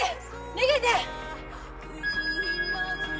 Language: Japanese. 逃げて！